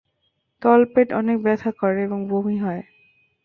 তলপেট অনেক ব্যথা করে এবং বমি হয়।